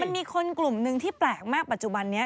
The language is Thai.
มันมีคนกลุ่มหนึ่งที่แปลกมากปัจจุบันนี้